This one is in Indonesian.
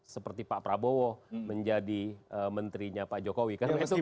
seperti pak prabowo menjadi menterinya pak jokowi